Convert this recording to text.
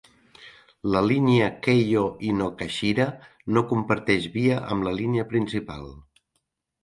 La línia Keio Inokashira no comparteix via amb la línia principal.